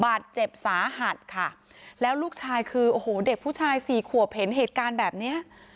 บาดเจ็บสาหัสค่ะแล้วลูกชายคือโอ้โหเด็กผู้ชายสี่ขวบเห็นเหตุการณ์แบบเนี้ย